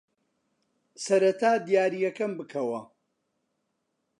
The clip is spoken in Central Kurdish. سەرەتا دیارییەکەم بکەوە.